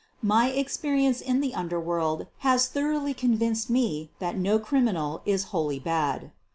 My experience in the underworld has thoroughly convinced me that no criminal is wholly bad.